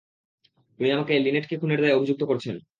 উনি আমাকে লিনেটকে খুনের দায়ে অভিযুক্ত করছেন!